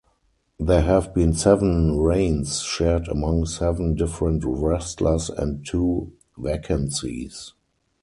There have been seven reigns shared among seven different wrestlers and two vacancies.